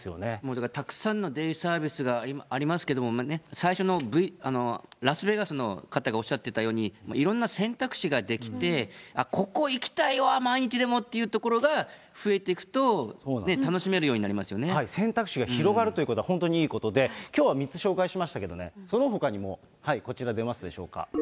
だからたくさんのデイサービスがありますけれども、最初のラスベガスの方がおっしゃってたように、いろんな選択肢が出来て、ここ行きたいわ、毎日でもという所が増えていくと、選択肢が広がるということは、本当にいいことで、きょうは３つ紹介しましたけどね、そのほかにもこちら出ますでしょうか。